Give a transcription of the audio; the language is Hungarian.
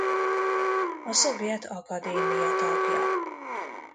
A szovjet Akadémia tagja.